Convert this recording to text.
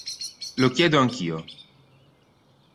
Lo chiedo anch'io.